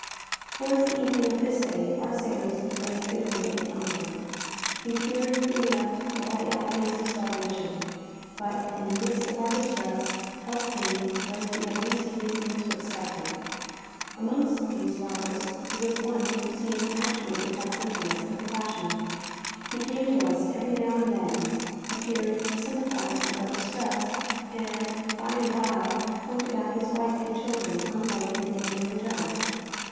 Towards the evening of this day our sailors complained bitterly of hunger. We feared being left to all the agonies of starvation; but, in the midst of our distress, help came whence we had least reason to expect it. Amongst these robbers there was one who seemed actuated by sentiments of compassion. He came to us every now and then, appeared to sympathize with our distress, and, by and bye, pointed out his wife and children on board a neighbouring junk.